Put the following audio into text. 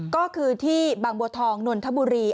ก็คือที่บางบัวทองนนทบุรี